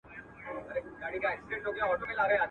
سل هنره ور بخښلي پاك سبحان دي .